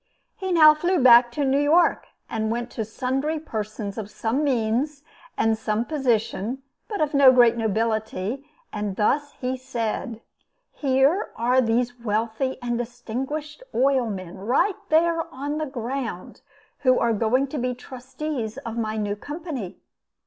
He now flew back to New York, and went to sundry persons of some means and some position but of no great nobility, and thus he said: "Here are these wealthy and distinguished oil men right there on the ground who are going to be trustees of my new company.